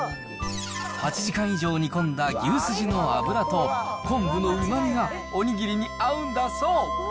８時間以上煮込んだ牛すじの脂と昆布のうまみがおにぎりに合うんだそう。